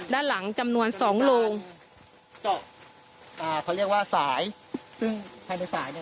ด้านหลังจำนวนสองโรงเขาเรียกว่าสายซึ่งใครเป็นสายเนี่ย